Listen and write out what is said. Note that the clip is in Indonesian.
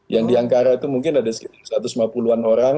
yang diangkara itu mungkin ada sekitar satu ratus lima puluh an orang